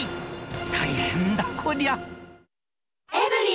大変だ、こりゃ。